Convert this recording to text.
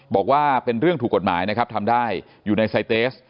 บอกว่าเป็นเรื่องถูกกฎหมายนะครับทำได้อยู่ในไซเตส